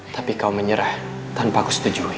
tapi kau menyerah tanpa aku setuju